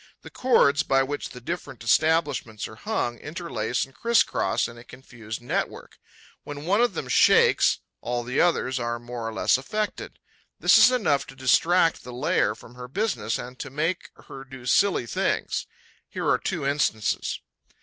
The cords by which the different establishments are hung interlace and criss cross in a confused network. When one of them shakes, all the others are more or less affected. This is enough to distract the layer from her business and to make her do silly things. Here are two instances.